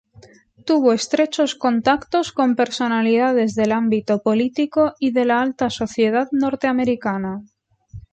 Tuvo estrechos contactos con personalidades del ámbito político y de la alta sociedad norteamericana.